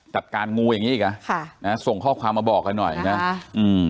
จัดการงูอย่างงี้อีกอ่ะค่ะนะส่งข้อความมาบอกกันหน่อยนะอืม